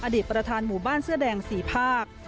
ประธานหมู่บ้านเสื้อแดง๔ภาค